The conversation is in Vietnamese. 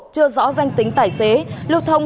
chưa rõ danh tính tài xế lưu thông